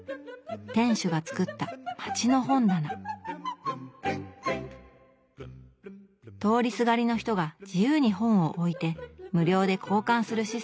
店主が作った通りすがりの人が自由に本を置いて無料で交換するシステム。